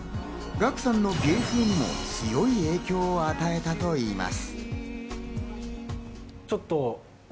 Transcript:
ガクさんの芸風にも強い影響を与えたといいます。